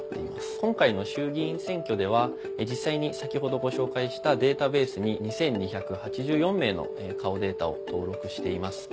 今回の衆議院選挙では実際に先程ご紹介したデータベースに２２８４名の顔データを登録しています。